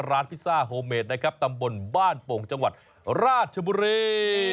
พิซซ่าโฮเมดนะครับตำบลบ้านโป่งจังหวัดราชบุรี